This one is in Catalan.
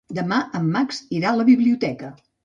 Demà en Max irà a la biblioteca.